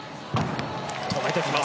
止めてきます。